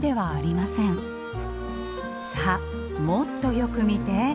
さあもっとよく見て。